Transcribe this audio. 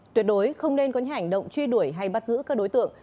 tuyệt đối không nên có những hành động truy đuổi hay bắt giữ các đối tượng